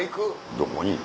どこに？